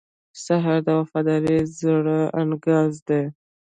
سهار د وفادار زړه انګازې دي.